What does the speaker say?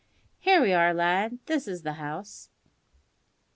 Here we are, lad. This is the house."